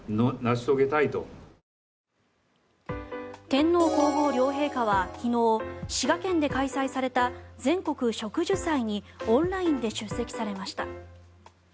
天皇・皇后両陛下は昨日滋賀県で開催された全国植樹祭にオンラインで出席されました。